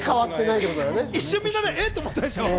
一瞬みんなで、え？って思ったでしょう。